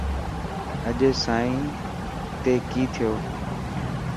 اڄ سائن تي ڪي ٿيو.